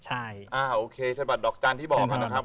อ่าโอเคธนบัตรดอกจันทร์ที่บอกมานะครับ